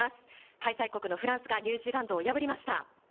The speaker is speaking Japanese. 開催国のフランスがニュージーランドを破りました。